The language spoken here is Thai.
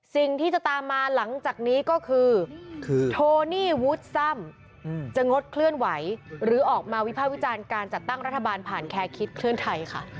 สิ่งที่จะตามมาหลังจากนี้ก็คือโทนี่วูดซ่ำจะงดเคลื่อนไหวหรือออกมาวิภาควิจารณ์การจัดตั้งรัฐบาลผ่านแคร์คิดเคลื่อนไทยค่ะ